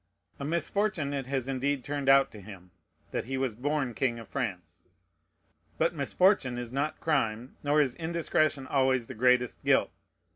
A misfortune it has indeed turned out to him, that he was born king of France. But misfortune is not crime, nor is indiscretion always the greatest guilt.